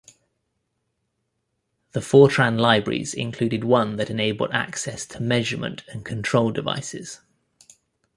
The Fortran libraries included one that enabled access to measurement and control devices.